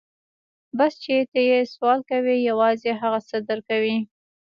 بس چې ته يې سوال کوې يوازې هغه څه در کوي.